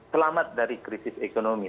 selamat dari krisis ekonomi